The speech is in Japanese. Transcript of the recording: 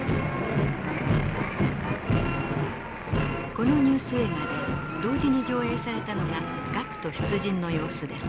このニュース映画で同時に上映されたのが学徒出陣の様子です。